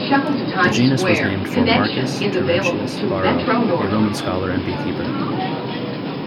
The genus was named for Marcus Terentius Varro, a Roman scholar and beekeeper.